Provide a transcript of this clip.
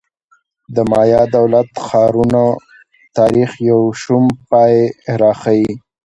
د مایا دولت ښارونو تاریخ یو شوم پای راښيي